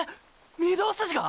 ⁉御堂筋が⁉